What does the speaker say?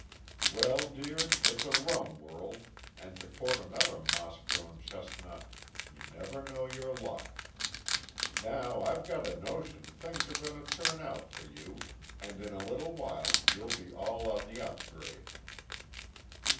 "Well dear, it's a rum world, and to quote another moss grown chestnut you never know your luck. Now I've got a notion things are going to turn for you, and in a little while you'll be all on the up grade."